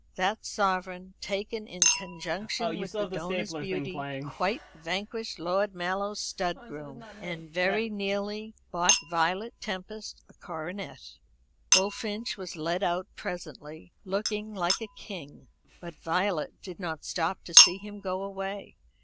That sovereign, taken in conjunction with the donor's beauty, quite vanquished Lord Mallow's stud groom, and very nearly bought Violet Tempest a coronet. Bullfinch was led out presently, looking like a king; but Violet did not stop to see him go away.